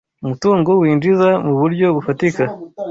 umutungo winjiza mu buryo bufatika